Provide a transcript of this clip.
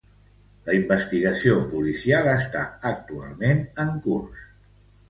La investigació policial està actualment en curs.